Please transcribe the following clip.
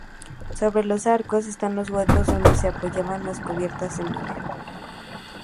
Sobre los arcos están los huecos donde se apoyaba la cubierta de madera.